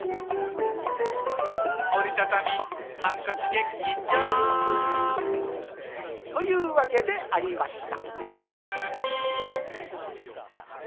「おりたたみハンカチ劇場」というわけでありました